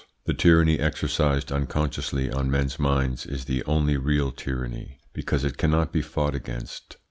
The tyranny exercised unconsciously on men's minds is the only real tyranny, because it cannot be fought against.